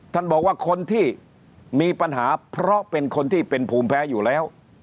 ท่านบอกว่าคนที่มีปัญหาเพราะเป็นคนที่เป็นภูมิแพ้อยู่แล้ว